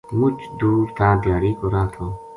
مُچ دُور تھا دھیاڑی کو راہ تھو